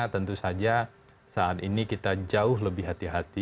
tentu saja saat ini kita jauh lebih hati hati